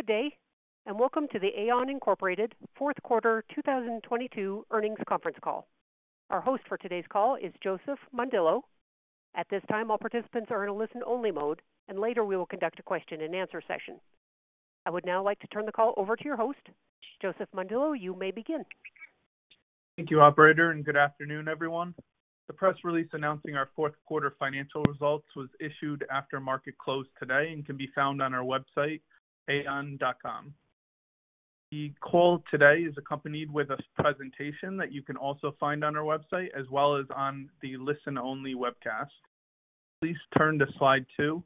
Good day. Welcome to the AAON Incorporated fourth quarter 2022 earnings conference call. Our host for today's call is Joseph Mondillo. At this time, all participants are in a listen-only mode, and later we will conduct a question-and-answer session. I would now like to turn the call over to your host. Joseph Mondillo, you may begin. Thank you, operator. Good afternoon, everyone. The press release announcing our fourth quarter financial results was issued after market close today and can be found on our website, aaon.com. The call today is accompanied with a presentation that you can also find on our website as well as on the listen-only webcast. Please turn to slide 2.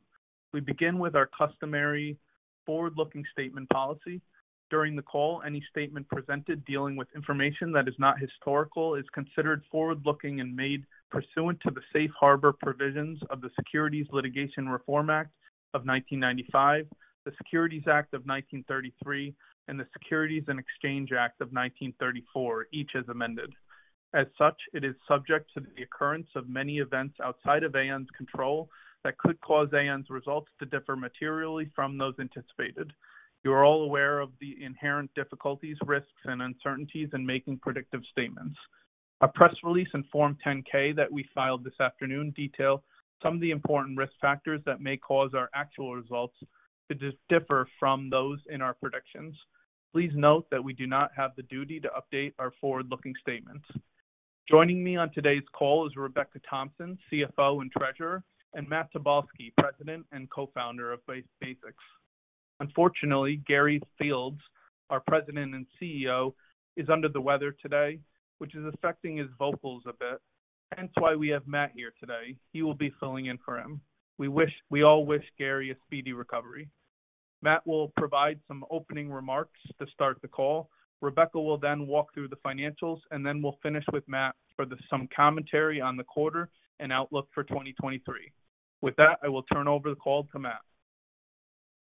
We begin with our customary forward-looking statement policy. During the call, any statement presented dealing with information that is not historical is considered forward-looking and made pursuant to the Safe Harbor Provisions of the Securities Litigation Reform Act of 1995, the Securities Act of 1933, and the Securities and Exchange Act of 1934, each as amended. As such, it is subject to the occurrence of many events outside of AAON's control that could cause AAON's results to differ materially from those anticipated. You are all aware of the inherent difficulties, risks, and uncertainties in making predictive statements. Our press release and Form 10-K that we filed this afternoon detail some of the important risk factors that may cause our actual results to differ from those in our predictions. Please note that we do not have the duty to update our forward-looking statements. Joining me on today's call is Rebecca Thompson, CFO and Treasurer, and Matt Tobolski, President and Co-founder of BasX. Unfortunately, Gary Fields, our President and CEO, is under the weather today, which is affecting his vocals a bit, hence why we have Matt here today. He will be filling in for him. We all wish Gary a speedy recovery. Matt will provide some opening remarks to start the call. Rebecca will then walk through the financials. Then we'll finish with Matt for some commentary on the quarter and outlook for 2023. With that, I will turn over the call to Matt.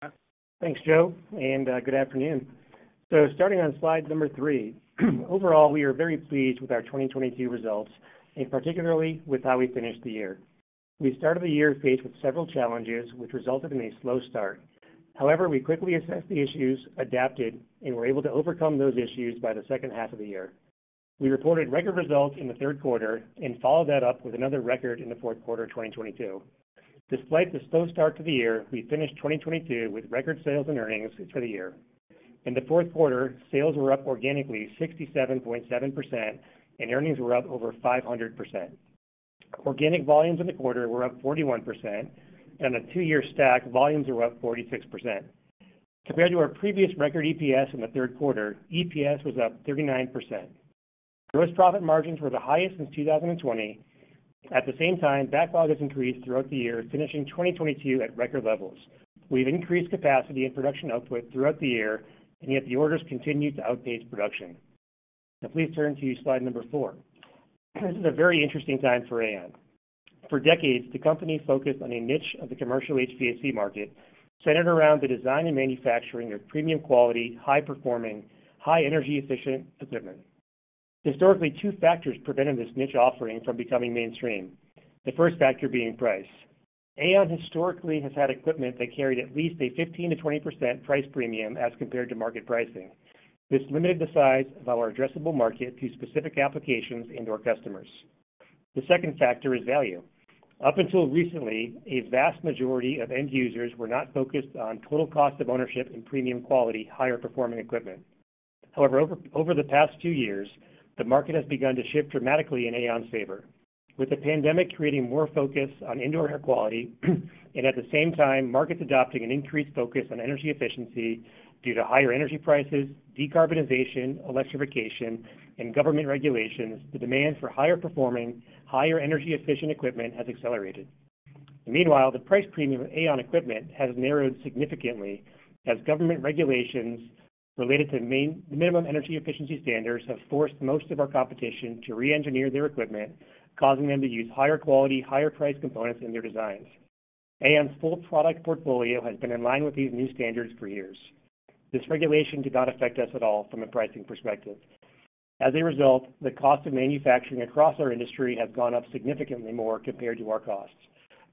Matt? Thanks, Joe, and good afternoon. Starting on slide number 3. Overall, we are very pleased with our 2022 results, and particularly with how we finished the year. We started the year faced with several challenges which resulted in a slow start. However, we quickly assessed the issues, adapted, and were able to overcome those issues by the second half of the year. We reported record results in the third quarter and followed that up with another record in the fourth quarter of 2022. Despite the slow start to the year, we finished 2022 with record sales and earnings for the year. In the fourth quarter, sales were up organically 67.7%, and earnings were up over 500%. Organic volumes in the quarter were up 41%, and on a 2-year stack, volumes were up 46%. Compared to our previous record EPS in the third quarter, EPS was up 39%. Gross profit margins were the highest since 2020. At the same time, backlog has increased throughout the year, finishing 2022 at record levels. We've increased capacity and production output throughout the year, and yet the orders continued to outpace production. Please turn to slide number 4. This is a very interesting time for AAON. For decades, the company focused on a niche of the commercial HVAC market centered around the design and manufacturing of premium quality, high-performing, high energy efficient equipment. Historically, two factors prevented this niche offering from becoming mainstream. The first factor being price. AAON historically has had equipment that carried at least a 15%-20% price premium as compared to market pricing. This limited the size of our addressable market to specific applications and/or customers. The second factor is value. Up until recently, a vast majority of end users were not focused on total cost of ownership and premium quality, higher performing equipment. However, over the past 2 years, the market has begun to shift dramatically in AAON's favor. With the pandemic creating more focus on indoor air quality, at the same time, markets adopting an increased focus on energy efficiency due to higher energy prices, decarbonization, electrification, and government regulations, the demand for higher performing, higher energy efficient equipment has accelerated. Meanwhile, the price premium of AAON equipment has narrowed significantly as government regulations related to minimum energy efficiency standards have forced most of our competition to re-engineer their equipment, causing them to use higher quality, higher priced components in their designs. AAON's full product portfolio has been in line with these new standards for years. This regulation did not affect us at all from a pricing perspective. As a result, the cost of manufacturing across our industry has gone up significantly more compared to our costs.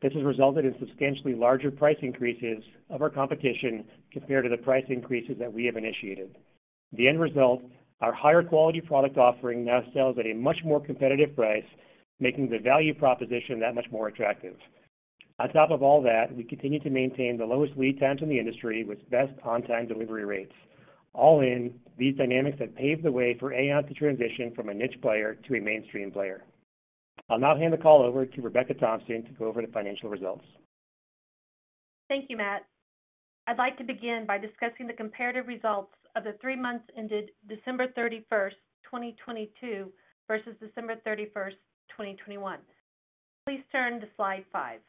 This has resulted in substantially larger price increases of our competition compared to the price increases that we have initiated. The end result, our higher quality product offering now sells at a much more competitive price, making the value proposition that much more attractive. On top of all that, we continue to maintain the lowest lead times in the industry with best on-time delivery rates. All in, these dynamics have paved the way for AAON to transition from a niche player to a mainstream player. I'll now hand the call over to Rebecca Thompson to go over the financial results. Thank you, Matt. I'd like to begin by discussing the comparative results of the three months ended December 31st, 2022 versus December 31st, 2021. Please turn to slide 5.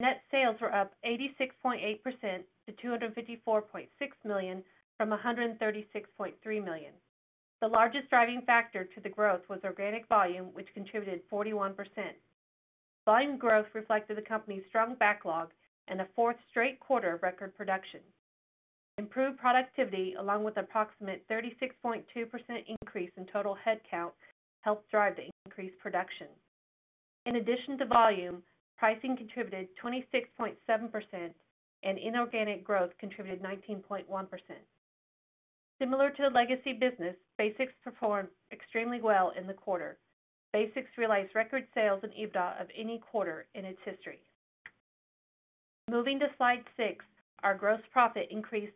Net sales were up 86.8% to $254.6 million from $136.3 million. The largest driving factor to the growth was organic volume, which contributed 41%. Volume growth reflected the company's strong backlog and a 4th straight quarter of record production. Improved productivity, along with approximate 36.2% increase in total headcount, helped drive the increased production. In addition to volume, pricing contributed 26.7% and inorganic growth contributed 19.1%. Similar to the legacy business, BasX performed extremely well in the quarter. BasX realized record sales and EBITDA of any quarter in its history. Moving to slide 6, our gross profit increased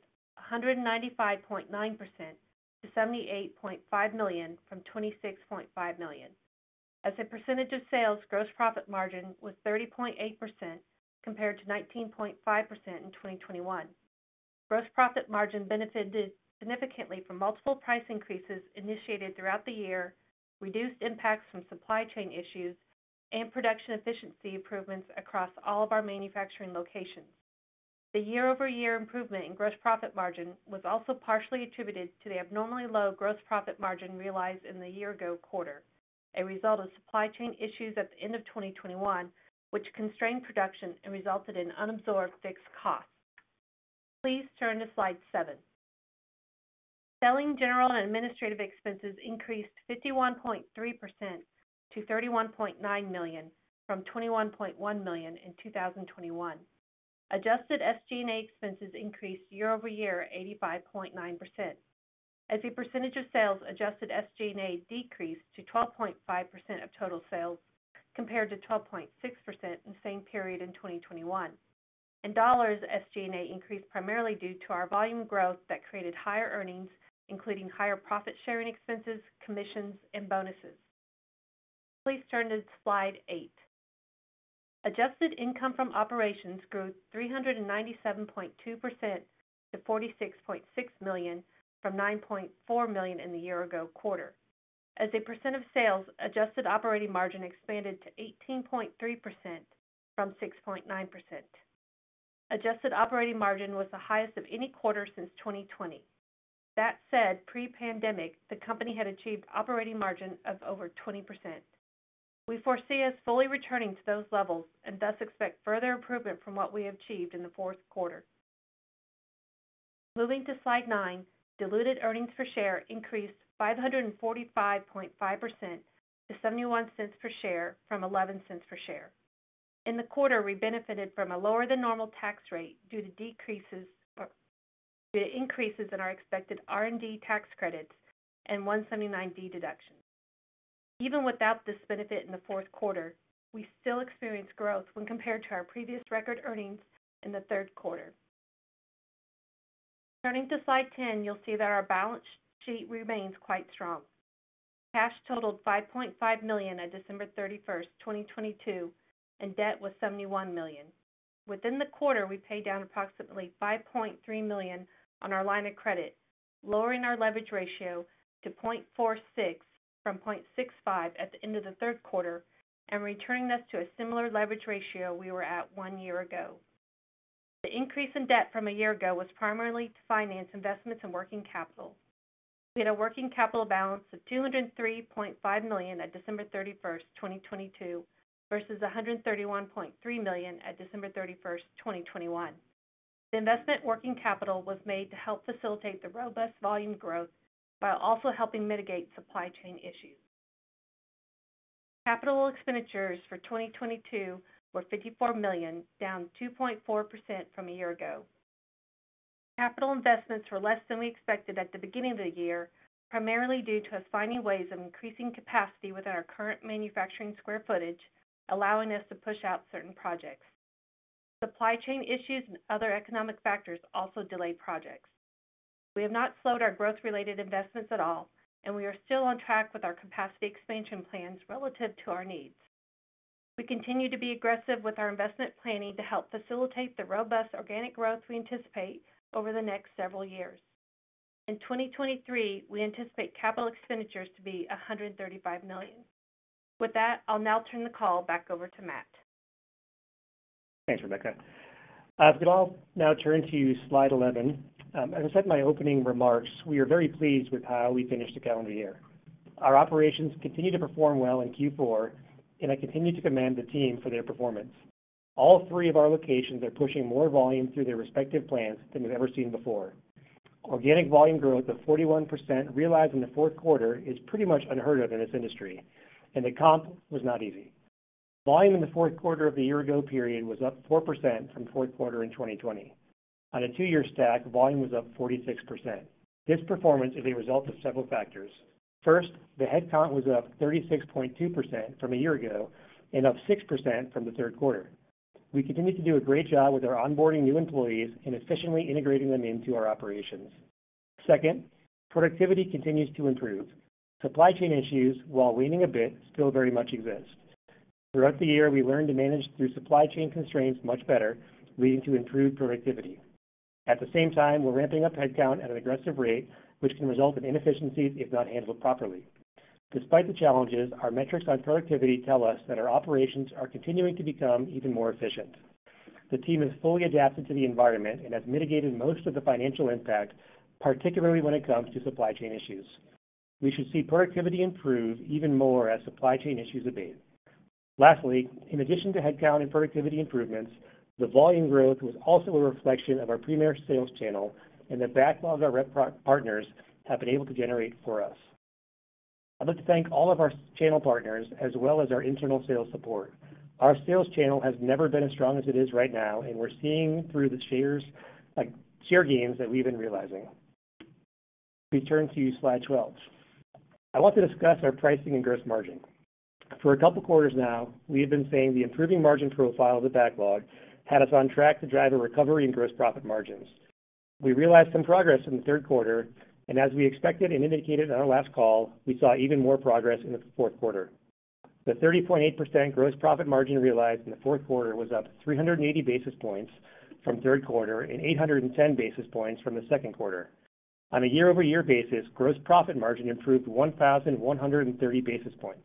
195.9% to $78.5 million from $26.5 million. As a percentage of sales, gross profit margin was 30.8% compared to 19.5% in 2021. Gross profit margin benefited significantly from multiple price increases initiated throughout the year, reduced impacts from supply chain issues, and production efficiency improvements across all of our manufacturing locations. The year-over-year improvement in gross profit margin was also partially attributed to the abnormally low gross profit margin realized in the year ago quarter, a result of supply chain issues at the end of 2021, which constrained production and resulted in unabsorbed fixed costs. Please turn to slide 7. Selling, general, and administrative expenses increased 51.3% to $31.9 million from $21.1 million in 2021. Adjusted SG&A expenses increased year-over-year 85.9%. As a percentage of sales, adjusted SG&A decreased to 12.5% of total sales compared to 12.6% in the same period in 2021. In dollars, SG&A increased primarily due to our volume growth that created higher earnings, including higher profit sharing expenses, commissions, and bonuses. Please turn to slide 8. Adjusted income from operations grew 397.2% to $46.6 million from $9.4 million in the year ago quarter. As a percent of sales, adjusted operating margin expanded to 18.3% from 6.9%. Adjusted operating margin was the highest of any quarter since 2020. That said, pre-pandemic, the company had achieved operating margin of over 20%. We foresee us fully returning to those levels, thus expect further improvement from what we achieved in the fourth quarter. Moving to slide 9, diluted earnings per share increased 545.5% to $0.71 per share from $0.11 per share. In the quarter, we benefited from a lower than normal tax rate due to increases in our expected R&D tax credits and 179D deduction. Even without this benefit in the fourth quarter, we still experienced growth when compared to our previous record earnings in the third quarter. Turning to slide 10, you'll see that our balance sheet remains quite strong. Cash totaled $5.5 million on December 31, 2022, debt was $71 million. Within the quarter, we paid down approximately $5.3 million on our line of credit, lowering our leverage ratio to 0.46 from 0.65 at the end of the third quarter and returning us to a similar leverage ratio we were at one year ago. The increase in debt from a year ago was primarily to finance investments in working capital. We had a working capital balance of $203.5 million at December 31st, 2022 versus $131.3 million at December 31st, 2021. The investment working capital was made to help facilitate the robust volume growth while also helping mitigate supply chain issues. Capital expenditures for 2022 were $54 million, down 2.4% from a year ago. Capital investments were less than we expected at the beginning of the year, primarily due to us finding ways of increasing capacity within our current manufacturing square footage, allowing us to push out certain projects. Supply chain issues and other economic factors also delayed projects. We have not slowed our growth-related investments at all, and we are still on track with our capacity expansion plans relative to our needs. We continue to be aggressive with our investment planning to help facilitate the robust organic growth we anticipate over the next several years. In 2023, we anticipate capital expenditures to be $135 million. With that, I'll now turn the call back over to Matt. Thanks, Rebecca. If you could all now turn to slide 11. I said in my opening remarks, we are very pleased with how we finished the calendar year. Our operations continued to perform well in Q4, and I continue to commend the team for their performance. All three of our locations are pushing more volume through their respective plants than we've ever seen before. Organic volume growth of 41% realized in the fourth quarter is pretty much unheard of in this industry, and the comp was not easy. Volume in the fourth quarter of the year ago period was up 4% from fourth quarter in 2020. On a 2-year stack, volume was up 46%. This performance is a result of several factors. First, the headcount was up 36.2% from a year ago and up 6% from the third quarter. We continue to do a great job with our onboarding new employees and efficiently integrating them into our operations. Second, productivity continues to improve. Supply chain issues, while waning a bit, still very much exist. Throughout the year, we learned to manage through supply chain constraints much better, leading to improved productivity. At the same time, we're ramping up headcount at an aggressive rate, which can result in inefficiencies if not handled properly. Despite the challenges, our metrics on productivity tell us that our operations are continuing to become even more efficient. The team has fully adapted to the environment and has mitigated most of the financial impact, particularly when it comes to supply chain issues. We should see productivity improve even more as supply chain issues abate. Lastly, in addition to headcount and productivity improvements, the volume growth was also a reflection of our premier sales channel and the backlog our rep part-partners have been able to generate for us. I'd like to thank all of our channel partners as well as our internal sales support. Our sales channel has never been as strong as it is right now, and we're seeing through the like, share gains that we've been realizing. We turn to slide 12. I want to discuss our pricing and gross margin. For a couple quarters now, we have been saying the improving margin profile of the backlog had us on track to drive a recovery in gross profit margins. We realized some progress in the third quarter, and as we expected and indicated on our last call, we saw even more progress in the fourth quarter. The 30.8% gross profit margin realized in the fourth quarter was up 380 basis points from third quarter and 810 basis points from the second quarter. On a year-over-year basis, gross profit margin improved 1,130 basis points.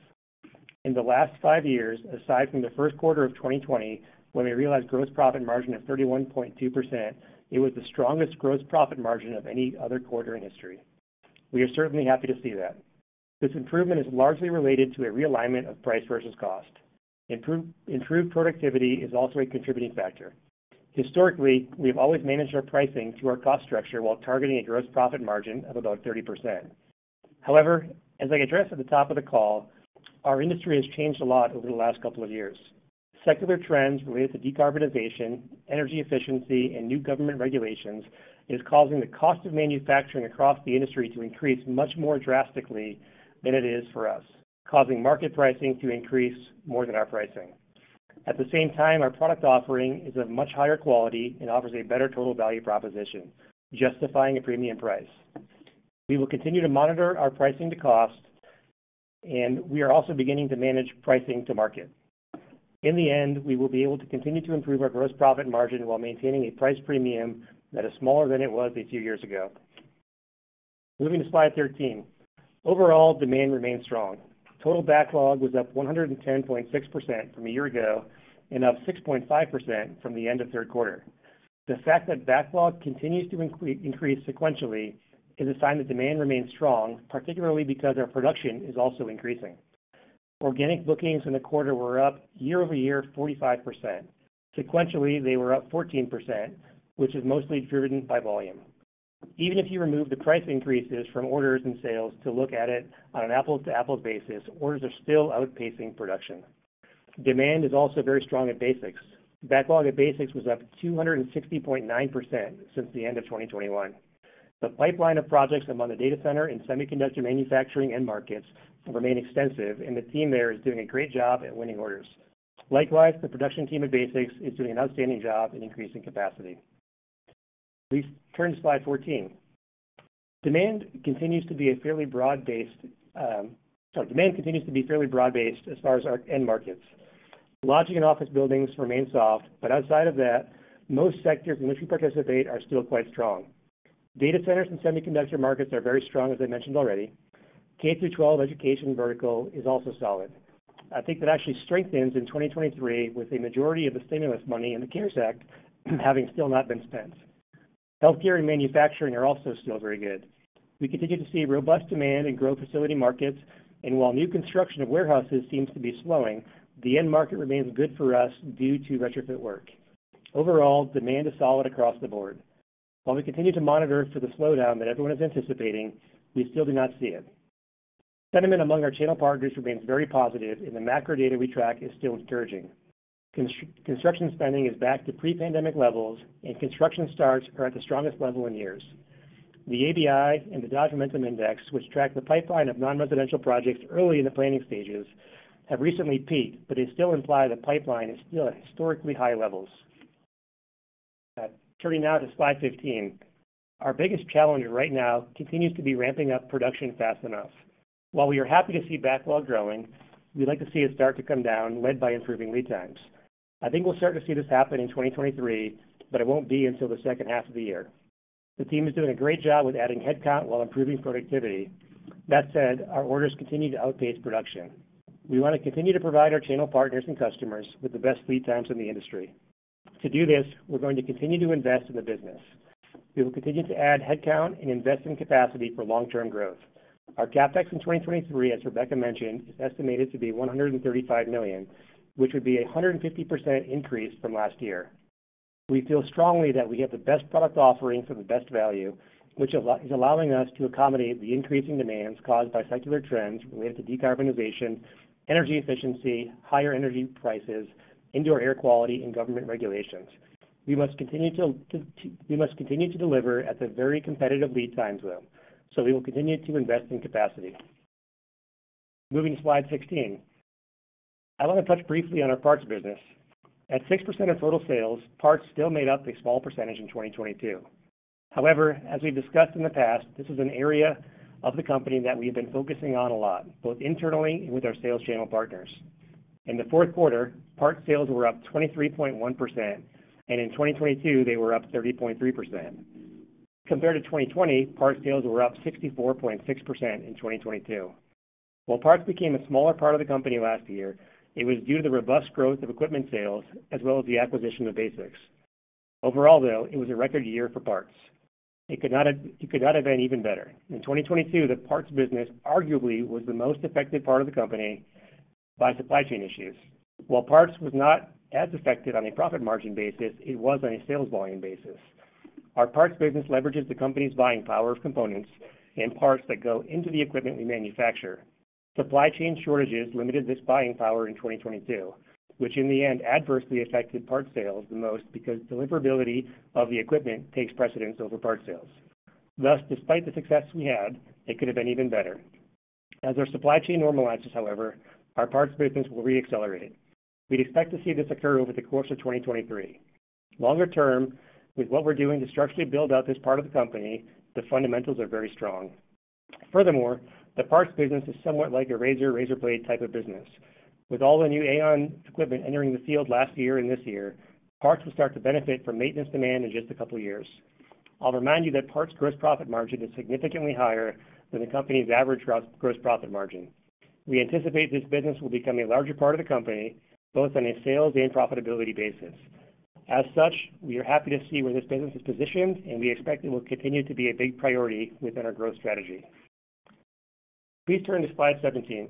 In the last 5 years, aside from the first quarter of 2020, when we realized gross profit margin of 31.2%, it was the strongest gross profit margin of any other quarter in history. We are certainly happy to see that. This improvement is largely related to a realignment of price versus cost. Improved productivity is also a contributing factor. Historically, we have always managed our pricing through our cost structure while targeting a profit margin of about 30%. As I addressed at the top of the call, our industry has changed a lot over the last 2 years. Secular trends related to decarbonization, energy efficiency, and new government regulations is causing the cost of manufacturing across the industry to increase much more drastically than it is for us, causing market pricing to increase more than our pricing. At the same time, our product offering is of much higher quality and offers a better total value proposition, justifying a premium price. We will continue to monitor our pricing to cost, and we are also beginning to manage pricing to market. In the end, we will be able to continue to improve our gross profit margin while maintaining a price premium that is smaller than it was a few years ago. Moving to slide 13. Overall, demand remains strong. Total backlog was up 110.6% from a year ago and up 6.5% from the end of third quarter. The fact that backlog continues to increase sequentially is a sign that demand remains strong, particularly because our production is also increasing. Organic bookings in the quarter were up year-over-year 45%. Sequentially, they were up 14%, which is mostly driven by volume. Even if you remove the price increases from orders and sales to look at it on an apple to apples basis, orders are still outpacing production. Demand is also very strong at BasX. Backlog at BasX was up 260.9% since the end of 2021. The pipeline of projects among the data center and semiconductor manufacturing end markets remain extensive, and the team there is doing a great job at winning orders. Likewise, the production team at BasX is doing an outstanding job in increasing capacity. Please turn to slide 14. Demand continues to be fairly broad-based as far as our end markets. Lodging and office buildings remain soft, but outside of that, most sectors in which we participate are still quite strong. Data centers and semiconductor markets are very strong, as I mentioned already. K-12 education vertical is also solid. I think that actually strengthens in 2023 with the majority of the stimulus money in the CARES Act having still not been spent. Healthcare and manufacturing are also still very good. While new construction of warehouses seems to be slowing, the end market remains good for us due to retrofit work. Overall, demand is solid across the board. While we continue to monitor for the slowdown that everyone is anticipating, we still do not see it. Sentiment among our channel partners remains very positive. The macro data we track is still encouraging. Construction spending is back to pre-pandemic levels. Construction starts are at the strongest level in years. The ABI and the Dodge Momentum Index, which track the pipeline of non-residential projects early in the planning stages, have recently peaked, but they still imply that pipeline is still at historically high levels. Turning now to slide 15. Our biggest challenge right now continues to be ramping up production fast enough. While we are happy to see backlog growing, we'd like to see it start to come down, led by improving lead times. I think we'll start to see this happen in 2023, but it won't be until the second half of the year. The team is doing a great job with adding headcount while improving productivity. That said, our orders continue to outpace production. We want to continue to provide our channel partners and customers with the best lead times in the industry. To do this, we're going to continue to invest in the business. We will continue to add headcount and invest in capacity for long-term growth. Our CapEx in 2023, as Rebecca mentioned, is estimated to be $135 million, which would be a 150% increase from last year. We feel strongly that we have the best product offering for the best value, which is allowing us to accommodate the increasing demands caused by secular trends related to decarbonization, energy efficiency, higher energy prices, indoor air quality, and government regulations. We must continue to deliver at the very competitive lead times though. We will continue to invest in capacity. Moving to slide 16. I want to touch briefly on our parts business. At 6% of total sales, parts still made up a small percentage in 2022. As we've discussed in the past, this is an area of the company that we have been focusing on a lot, both internally and with our sales channel partners. In the fourth quarter, parts sales were up 23.1%. In 2022, they were up 30.3%. Compared to 2020, parts sales were up 64.6% in 2022. Parts became a smaller part of the company last year, it was due to the robust growth of equipment sales as well as the acquisition of BasX. Overall, though, it was a record year for parts. It could not have been even better. In 2022, the parts business arguably was the most affected part of the company by supply chain issues. While parts was not as affected on a profit margin basis, it was on a sales volume basis. Our parts business leverages the company's buying power of components and parts that go into the equipment we manufacture. Supply chain shortages limited this buying power in 2022, which in the end adversely affected parts sales the most because deliverability of the equipment takes precedence over parts sales. Despite the success we had, it could have been even better. Our supply chain normalizes, however, our parts business will re-accelerate. We'd expect to see this occur over the course of 2023. Longer term, with what we're doing to structurally build out this part of the company, the fundamentals are very strong. Furthermore, the parts business is somewhat like a razor blade type of business. With all the new AAON equipment entering the field last year and this year, parts will start to benefit from maintenance demand in just a couple years. I'll remind you that parts gross profit margin is significantly higher than the company's average gross profit margin. We anticipate this business will become a larger part of the company, both on a sales and profitability basis. As such, we are happy to see where this business is positioned, and we expect it will continue to be a big priority within our growth strategy. Please turn to slide 17.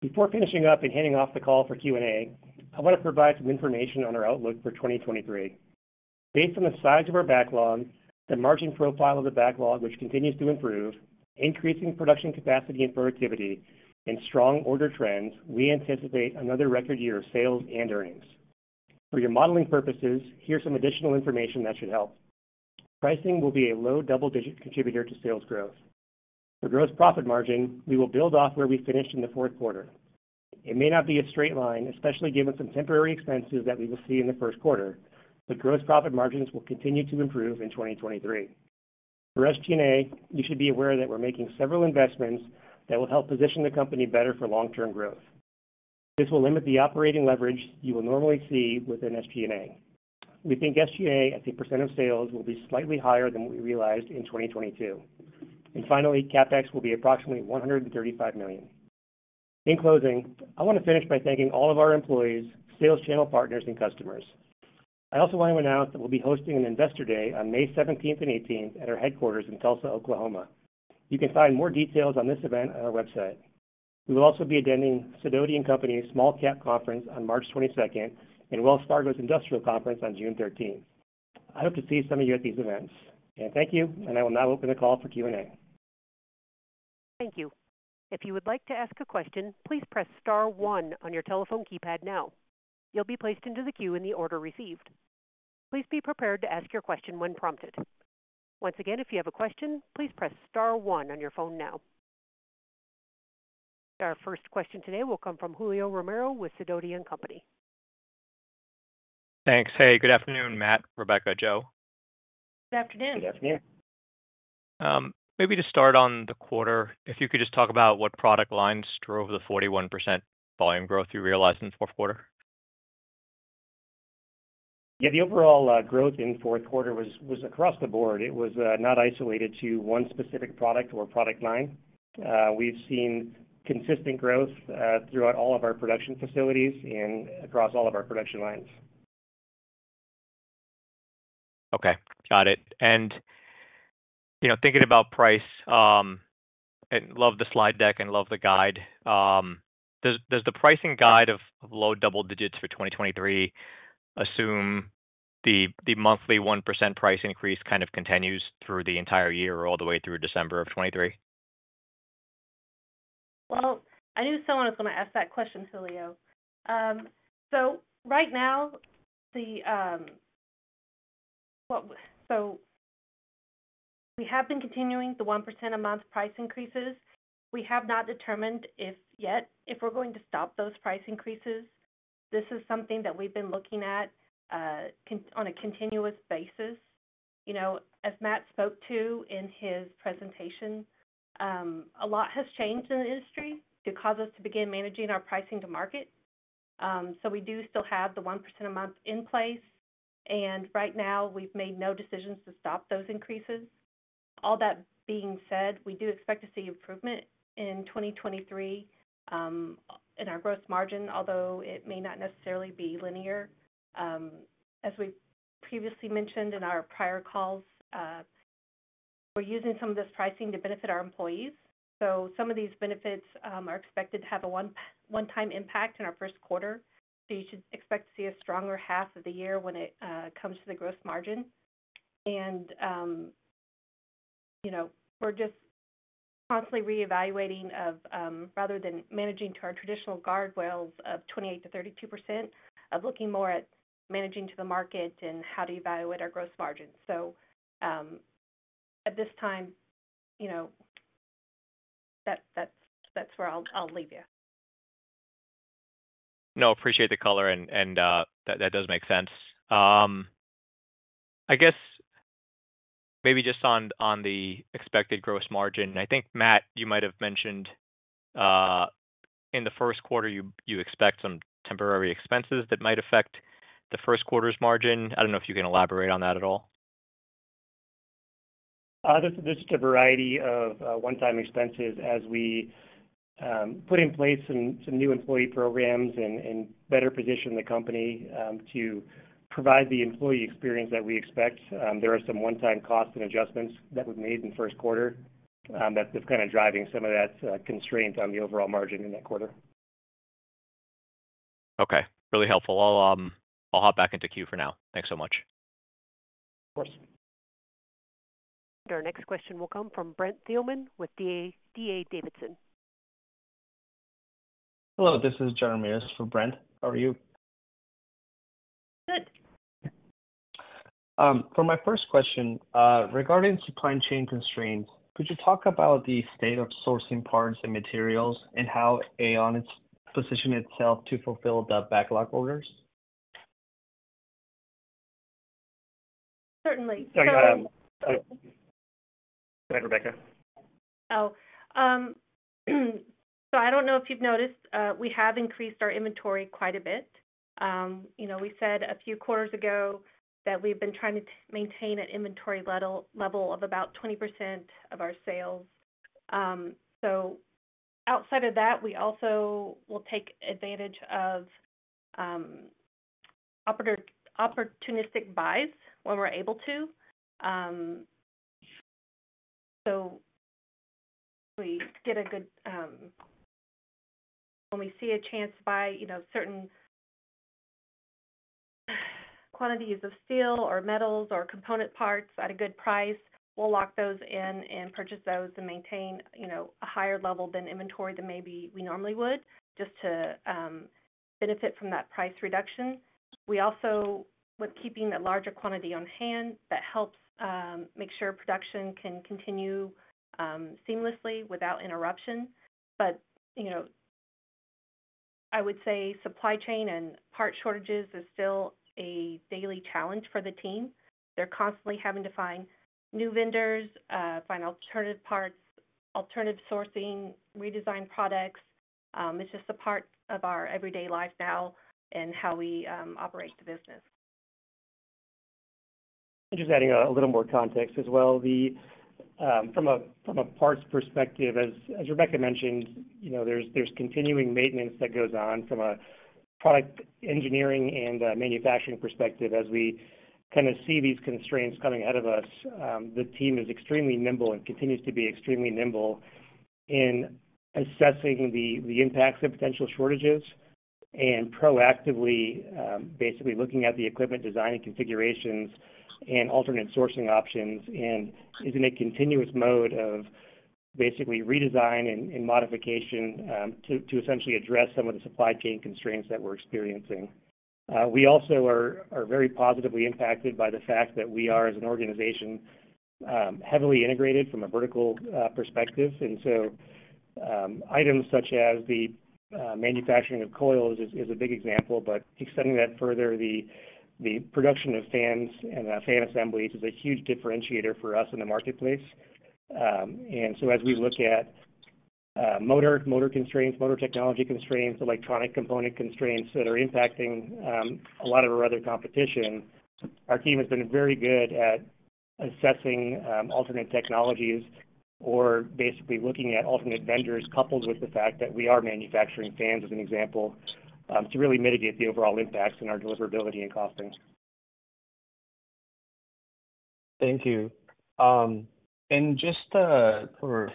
Before finishing up and handing off the call for Q&A, I want to provide some information on our outlook for 2023. Based on the size of our backlog, the margin profile of the backlog, which continues to improve, increasing production capacity and productivity, and strong order trends, we anticipate another record year of sales and earnings. For your modeling purposes, here's some additional information that should help. Pricing will be a low double-digit contributor to sales growth. For gross profit margin, we will build off where we finished in the fourth quarter. It may not be a straight line, especially given some temporary expenses that we will see in the first quarter, but gross profit margins will continue to improve in 2023. For SG&A, you should be aware that we're making several investments that will help position the company better for long-term growth. This will limit the operating leverage you will normally see within SG&A. We think SG&A as a percentage of sales will be slightly higher than what we realized in 2022. CapEx will be approximately $135 million. In closing, I want to finish by thanking all of our employees, sales channel partners, and customers. I also want to announce that we'll be hosting an Investor Day on May 17th and 18th at our headquarters in Tulsa, Oklahoma. You can find more details on this event on our website. We will also be attending Sidoti & Company's Small-Cap Conference on March 22nd and Wells Fargo's Industrials Conference on June 13th. I hope to see some of you at these events. Thank you, and I will now open the call for Q&A. Thank you. If you would like to ask a question, please press star one on your telephone keypad now. You'll be placed into the queue in the order received. Please be prepared to ask your question when prompted. Once again, if you have a question, please press star one on your phone now. Our first question today will come from Julio Romero with Sidoti & Company. Thanks. Hey, good afternoon, Matt, Rebecca, Joe. Good afternoon. Good afternoon. Maybe to start on the quarter, if you could just talk about what product lines drove the 41% volume growth you realized in the fourth quarter? The overall growth in fourth quarter was across the board. It was not isolated to one specific product or product line. We've seen consistent growth throughout all of our production facilities and across all of our production lines. Okay. Got it. You know, thinking about price, and love the slide deck and love the guide, does the pricing guide of low double digits for 2023 assume the monthly 1% price increase kind of continues through the entire year or all the way through December of 23? I knew someone was going to ask that question, Julio. Right now, we have been continuing the 1% a month price increases. We have not determined if yet if we're going to stop those price increases. This is something that we've been looking at on a continuous basis. You know, as Matt spoke to in his presentation, a lot has changed in the industry to cause us to begin managing our pricing to market. We do still have the 1% a month in place, and right now, we've made no decisions to stop those increases. All that being said, we do expect to see improvement in 2023 in our gross margin, although it may not necessarily be linear. As we previously mentioned in our prior calls, we're using some of this pricing to benefit our employees. Some of these benefits are expected to have a one-time impact in our first quarter. You should expect to see a stronger half of the year when it comes to the gross margin. You know, we're just constantly reevaluating of rather than managing to our traditional guardrails of 28%-32%, of looking more at managing to the market and how to evaluate our gross margins. At this time, you know, that's, that's where I'll leave you. Appreciate the color and that does make sense. I guess maybe just on the expected gross margin. I think, Matt, you might have mentioned in the first quarter, you expect some temporary expenses that might affect the first quarter's margin. I don't know if you can elaborate on that at all? There's just a variety of one-time expenses as we put in place some new employee programs and better position the company to provide the employee experience that we expect. There are some one-time costs and adjustments that were made in the first quarter that is kind of driving some of that constraint on the overall margin in that quarter. Okay, really helpful. I'll hop back into queue for now. Thanks so much. Of course. Our next question will come from Brent Thielman with D.A. Davidson. Hello, this is Jean Ramirez, this is for Brent Thielman. How are you? Good. For my first question, regarding supply chain constraints, could you talk about the state of sourcing parts and materials and how AAON is positioning itself to fulfill the backlog orders? Certainly. Sorry, go ahead, Rebecca. I don't know if you've noticed, we have increased our inventory quite a bit. You know, we said a few quarters ago that we've been trying to maintain an inventory level of about 20% of our sales. Outside of that, we also will take advantage of opportunistic buys when we're able to. When we see a chance to buy, you know, certain quantities of steel or metals or component parts at a good price, we'll lock those in and purchase those to maintain, you know, a higher level than inventory than maybe we normally would just to benefit from that price reduction. We also, with keeping a larger quantity on hand, that helps make sure production can continue seamlessly without interruption. You know, I would say supply chain and part shortages is still a daily challenge for the team. They're constantly having to find new vendors, find alternative parts, alternative sourcing, redesign products. It's just a part of our everyday life now and how we operate the business. Just adding a little more context as well. From a parts perspective, as Rebecca mentioned, you know, there's continuing maintenance that goes on from a product engineering and a manufacturing perspective, as we kinda see these constraints coming ahead of us. The team is extremely nimble and continues to be extremely nimble in assessing the impacts of potential shortages and proactively, basically looking at the equipment design and configurations and alternate sourcing options and is in a continuous mode of basically redesign and modification, to essentially address some of the supply chain constraints that we're experiencing. We also are very positively impacted by the fact that we are, as an organization, heavily integrated from a vertical perspective. So, items such as the manufacturing of coils is a big example. Extending that further, the production of fans and fan assemblies is a huge differentiator for us in the marketplace. As we look at motor constraints, motor technology constraints, electronic component constraints that are impacting a lot of our other competition, our team has been very good at assessing alternate technologies or basically looking at alternate vendors, coupled with the fact that we are manufacturing fans, as an example, to really mitigate the overall impacts in our deliverability and costings. Thank you. Just,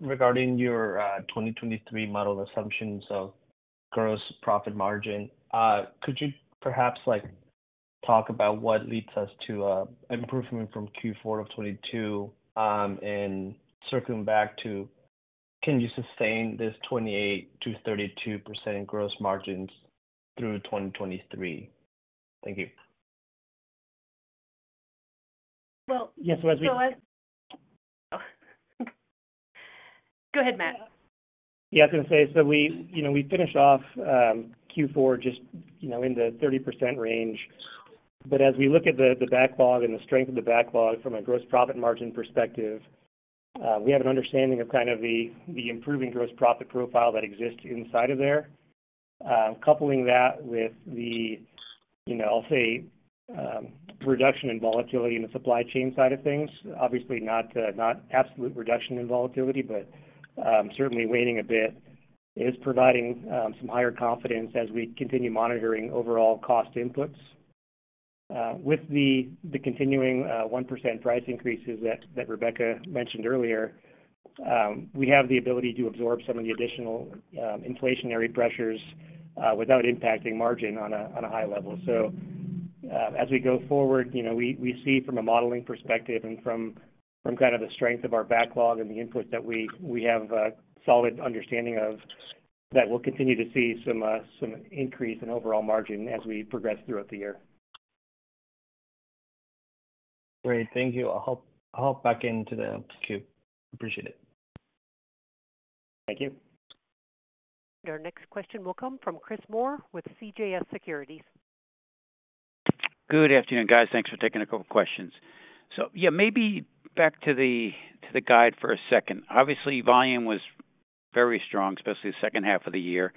regarding your 2023 model assumptions of gross profit margin, could you perhaps, like, talk about what leads us to improvement from Q4 of 2022, and circling back to can you sustain this 28%-32% gross margins through 2023? Thank you. Well- Yes. Go ahead, Matt. Yeah, I was gonna say, we, you know, we finished off Q4 just, you know, in the 30% range. As we look at the backlog and the strength of the backlog from a gross profit margin perspective, we have an understanding of kind of the improving gross profit profile that exists inside of there. Coupling that with the, you know, I'll say, reduction in volatility in the supply chain side of things, obviously not absolute reduction in volatility, but certainly waning a bit, is providing some higher confidence as we continue monitoring overall cost inputs. With the continuing 1% price increases that Rebecca mentioned earlier, we have the ability to absorb some of the additional inflationary pressures without impacting margin on a high level. As we go forward, you know, we see from a modeling perspective and from kind of the strength of our backlog and the inputs that we have a solid understanding of, that we'll continue to see some increase in overall margin as we progress throughout the year. Great. Thank you. I'll hop back into the queue. Appreciate it. Thank you. Our next question will come from Chris Moore with CJS Securities. Good afternoon, guys. Thanks for taking a couple questions. Yeah, maybe back to the, to the guide for a second. Obviously, volume was very strong, especially the second half of the year.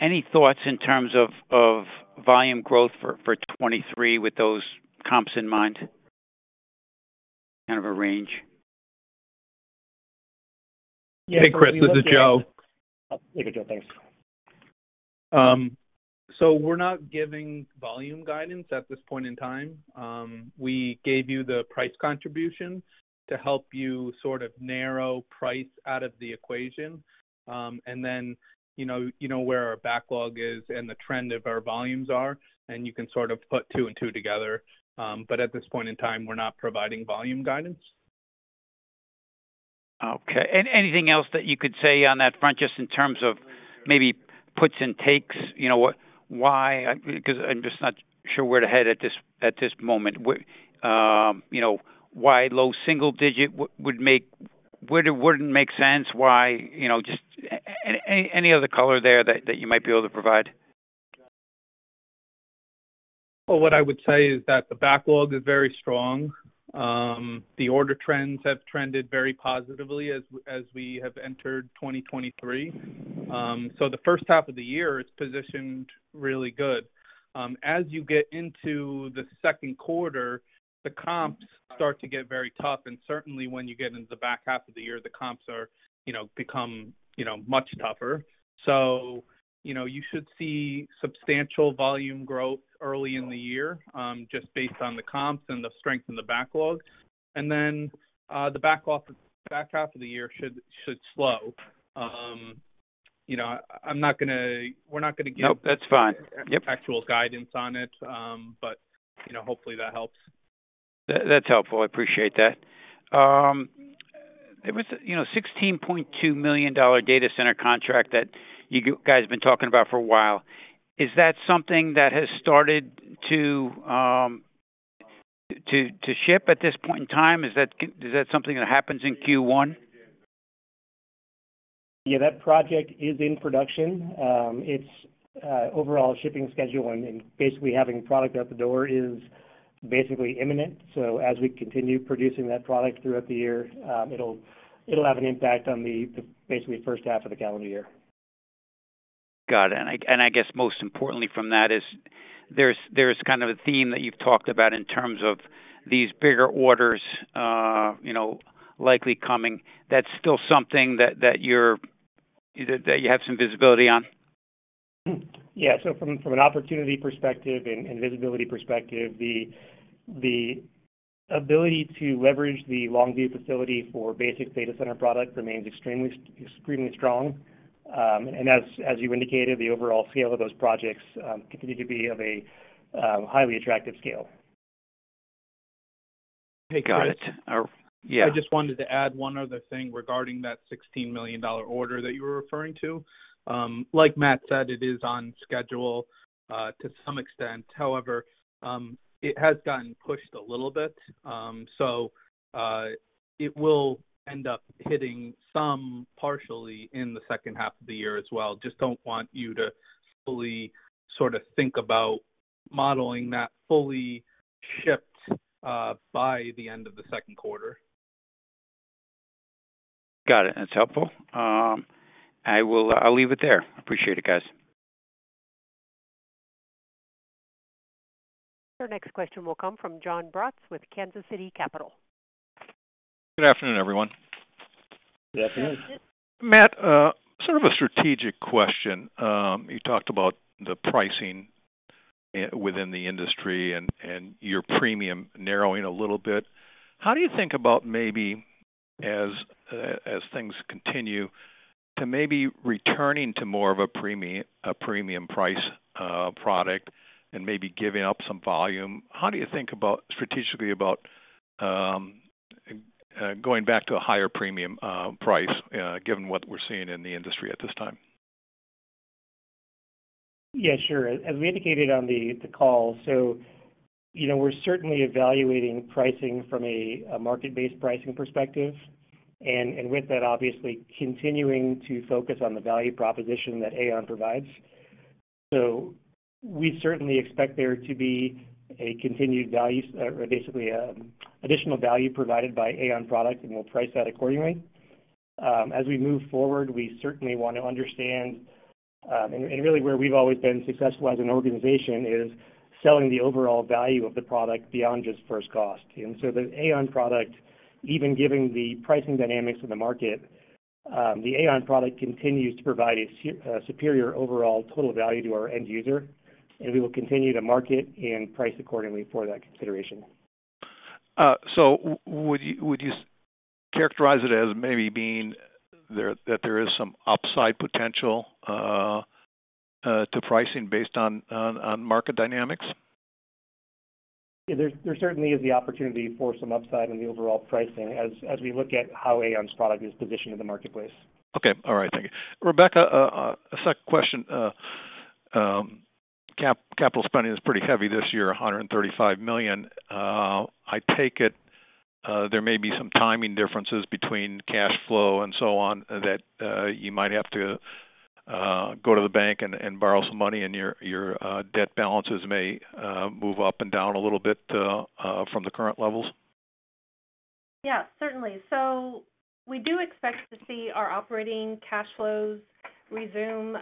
Any thoughts in terms of volume growth for 2023 with those comps in mind? Kind of a range. Yeah, Chris, this is Joe. Hey, Joe. Thanks. We're not giving volume guidance at this point in time. We gave you the price contribution to help you sort of narrow price out of the equation. You know, you know where our backlog is and the trend of our volumes are, and you can sort of put 2 to 2 together. At this point in time, we're not providing volume guidance. Anything else that you could say on that front, just in terms of maybe puts and takes, you know, why? 'Cause I'm just not sure where to head at this, at this moment. You know, why low single digit would or wouldn't make sense why, you know, just any other color there that you might be able to provide. What I would say is that the backlog is very strong. The order trends have trended very positively as we have entered 2023. The first half of the year is positioned really good. Certainly when you get into the second quarter, the comps start to get very tough. When you get into the back half of the year, the comps are, you know, become, you know, much tougher. You know, you should see substantial volume growth early in the year, just based on the comps and the strength in the backlog. The back half of the year should slow. You know, we're not gonna give- Nope. That's fine. Yep.... actual guidance on it. You know, hopefully that helps. That's helpful. I appreciate that. There was a, you know, $16.2 million data center contract that you guys have been talking about for a while. Is that something that has started to ship at this point in time? Is that is that something that happens in Q1? Yeah, that project is in production. Its overall shipping schedule and basically having product out the door is basically imminent. As we continue producing that product throughout the year, it'll have an impact on the basically first half of the calendar year. Got it. I guess most importantly from that is there's kind of a theme that you've talked about in terms of these bigger orders, you know, likely coming. That's still something that you have some visibility on. From an opportunity perspective and visibility perspective, the ability to leverage the Longview facility for basic data center product remains extremely strong. And as you indicated, the overall scale of those projects continue to be of a highly attractive scale. Got it. Or, yeah. I just wanted to add one other thing regarding that $16 million order that you were referring to. like Matt said, it is on schedule to some extent. It has gotten pushed a little bit. It will end up hitting some partially in the second half of the year as well. Just don't want you to fully sorta think about modeling that fully shipped, by the end of the second quarter. Got it. That's helpful. I'll leave it there. Appreciate it, guys. Your next question will come from Jon Braatz with Kansas City Capital. Good afternoon, everyone. Good afternoon. Good afternoon. Matt, sort of a strategic question. You talked about the pricing within the industry and your premium narrowing a little bit. How do you think about maybe as things continue to maybe returning to more of a premium price product and maybe giving up some volume? How do you think about strategically about going back to a higher premium price given what we're seeing in the industry at this time? Sure. As we indicated on the call, you know, we're certainly evaluating pricing from a market-based pricing perspective, and with that, obviously continuing to focus on the value proposition that AAON provides. We certainly expect there to be a continued value or basically, additional value provided by AAON product, and we'll price that accordingly. As we move forward, we certainly want to understand, and really where we've always been successful as an organization is selling the overall value of the product beyond just first cost. The AAON product, even given the pricing dynamics of the market, the AAON product continues to provide a superior overall total value to our end user, and we will continue to market and price accordingly for that consideration. Would you characterize it as maybe that there is some upside potential to pricing based on market dynamics? There certainly is the opportunity for some upside in the overall pricing as we look at how AAON's product is positioned in the marketplace. All right. Thank you. Rebecca, a sec question. Capital spending is pretty heavy this year, $135 million. I take it, there may be some timing differences between cash flow and so on that you might have to go to the bank and borrow some money and your debt balances may move up and down a little bit from the current levels. Yeah, certainly. We do expect to see our operating cash flows resume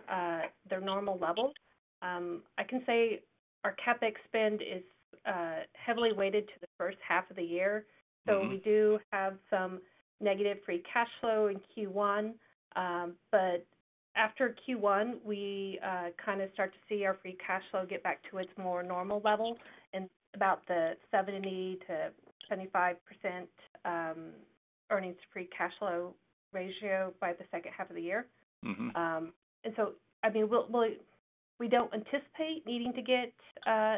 their normal levels. I can say our CapEx spend is heavily weighted to the first half of the year. We do have some negative free cash flow in Q1. After Q1, we kind of start to see our free cash flow get back to its more normal level and about the 70%-75% earnings free cash flow ratio by the second half of the year. I mean, we don't anticipate needing to get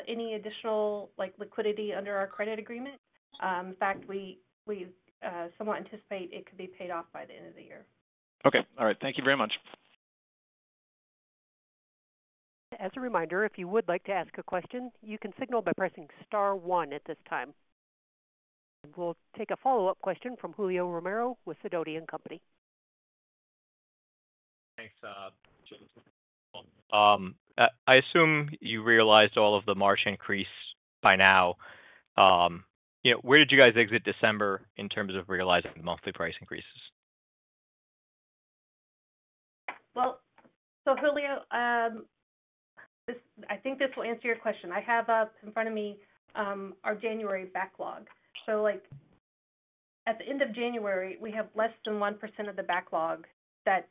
any additional, like, liquidity under our credit agreement. In fact, we somewhat anticipate it could be paid off by the end of the year. Okay. All right. Thank you very much. As a reminder, if you would like to ask a question, you can signal by pressing star one at this time. We'll take a follow-up question from Julio Romero with Sidoti & Company. Thanks, Jim. I assume you realized all of the March increase by now. You know, where did you guys exit December in terms of realizing the monthly price increases? Julio, I think this will answer your question. I have up in front of me, our January backlog. Like at the end of January, we have less than 1% of the backlog that's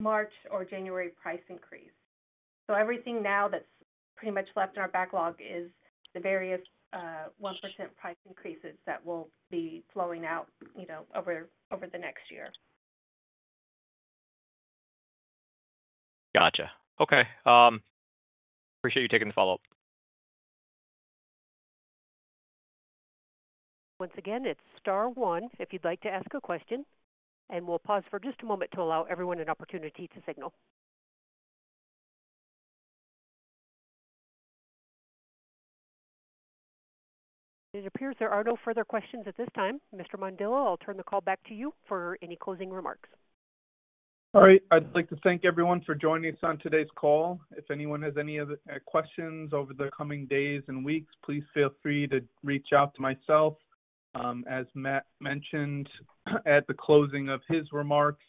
March or January price increase. Everything now that's pretty much left in our backlog is the various 1% price increases that will be flowing out, you know, over the next year. Gotcha. Okay. Appreciate you taking the follow-up. Once again, it's star one if you'd like to ask a question, and we'll pause for just a moment to allow everyone an opportunity to signal. It appears there are no further questions at this time. Mr. Mondillo, I'll turn the call back to you for any closing remarks. All right. I'd like to thank everyone for joining us on today's call. If anyone has any other questions over the coming days and weeks, please feel free to reach out to myself. As Matt mentioned at the closing of his remarks,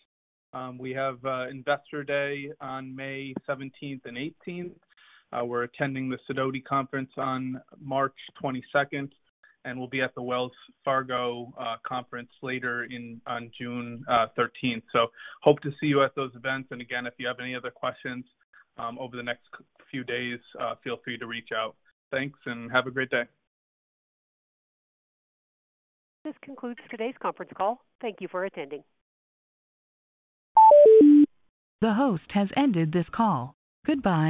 we have Investor Day on May 17th and 18th. We're attending the Sidoti Conference on March 22nd, and we'll be at the Wells Fargo conference on June 13th. Hope to see you at those events. Again, if you have any other questions, over the next few days, feel free to reach out. Thanks, and have a great day. This concludes today's conference call. Thank you for attending. The host has ended this call. Goodbye.